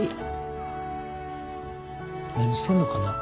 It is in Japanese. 何してんのかな？